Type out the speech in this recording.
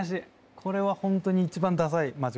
これは本当に一番ダサい間違え方。